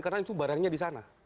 karena itu barangnya di sana